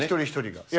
一人一人が。